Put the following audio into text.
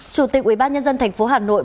chủ tịch ủy ban nhân dân thành phố hà nội